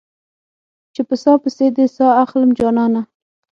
چې په ساه پسې دې ساه اخلم جانانه